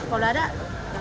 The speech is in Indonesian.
kalau ada nukar lagi